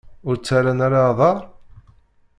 Ur ttarran ara aḍar?